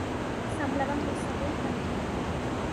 Semblava molt segur i tranquil.